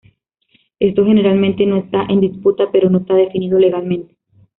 Esto generalmente no está en disputa, pero no está definido legalmente.